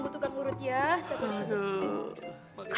tunggu tugang urut ya